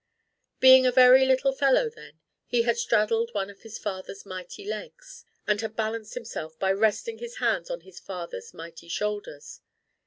Being a very little fellow then, he had straddled one of his father's mighty legs and had balanced himself by resting his hands on his father's mighty shoulders.